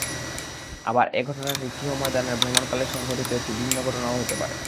আবার এ ঘটনাটি তীহ ময়দানে ভ্রমণকালে সংঘটিত একটি ভিন্ন ঘটনাও হতে পারে।